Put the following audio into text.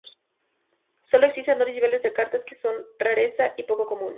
Solo existen dos niveles de cartas que son "rareza" y "poco común".